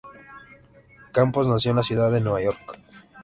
Campos nació en la ciudad de Nueva York.